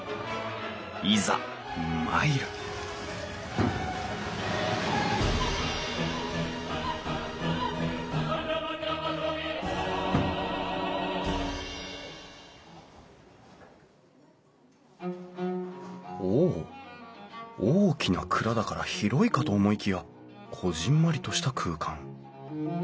いざ参るお大きな蔵だから広いかと思いきやこぢんまりとした空間。